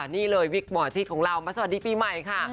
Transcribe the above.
นี่เลยวิกหมอชิดของเรามาสวัสดีปีใหม่ค่ะ